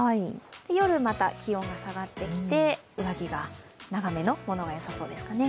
夜また気温が下がってきて、長めの上着がよさそうですね。